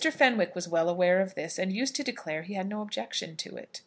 Fenwick was well aware of this, and used to declare that he had no objection to it.